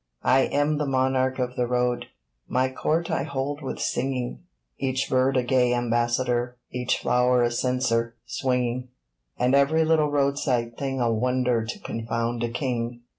I am the monarch of the Road! My court I hold with singing, Each bird a gay ambassador, Each flower a censer, swinging; And every little roadside thing A wonder to confound a king.